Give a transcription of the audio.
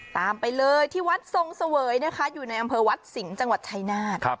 ไปเลยที่วัดทรงเสวยนะคะอยู่ในอำเภอวัดสิงห์จังหวัดชายนาฏ